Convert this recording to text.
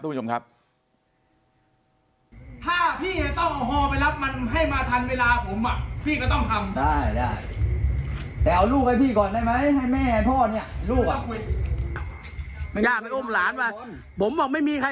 คุณผู้ชมครับ